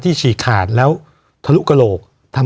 วันนี้แม่ช่วยเงินมากกว่า